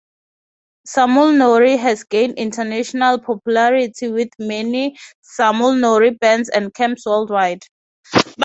Samul nori has gained international popularity, with many Samul nori bands and camps worldwide.